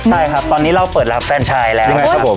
ใช่ครับตอนนี้เราเปิดรับแฟนชายแล้วนะครับผม